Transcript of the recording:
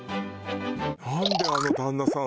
なんであの旦那さん